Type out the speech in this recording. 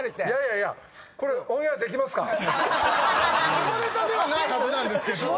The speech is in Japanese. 下ネタではないはずなんですけど。